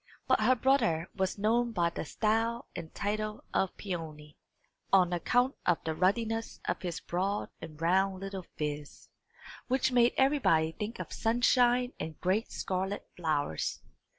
But her brother was known by the style and title of Peony, on account of the ruddiness of his broad and round little phiz, which made everybody think of sunshine and great scarlet flowers.